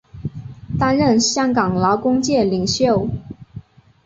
担任香港劳工界领袖。